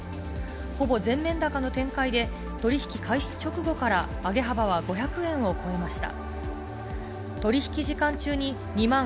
ほぼ全面高の展開で取引開始直後から上げ幅は５００円を超えました。